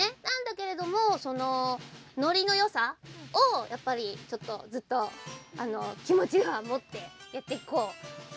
なんだけれどもノリのよさをやっぱりちょっとずっときもちはもってやっていこう。